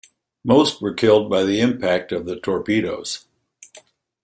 Most were killed by the impact of the torpedoes.